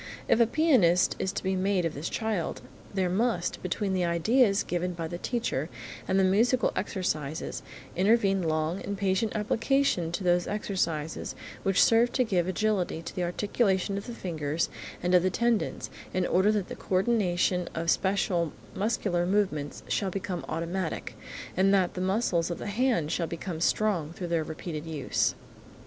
If a pianist is to be made of this child, there must, between the ideas given by the teacher and the musical exercises, intervene long and patient application to those exercises which serve to give agility to the articulation of the fingers and of the tendons, in order that the coordination of special muscular movements shall become automatic, and that the muscles of the hand shall become strong through their repeated use.